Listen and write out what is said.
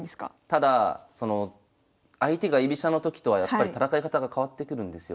ただその相手が居飛車のときとはやっぱり戦い方が変わってくるんですよ。